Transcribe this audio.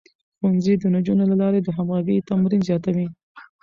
ښوونځی د نجونو له لارې د همغږۍ تمرين زياتوي.